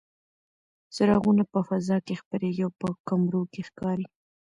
څراغونه په فضا کې خپرېږي او په کمرو کې ښکاري.